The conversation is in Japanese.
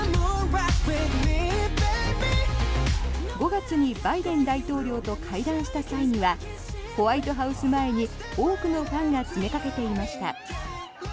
５月にバイデン大統領と会談した際にはホワイトハウス前に多くのファンが詰めかけていました。